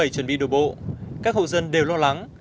chuẩn bị đổ bộ các hộ dân đều lo lắng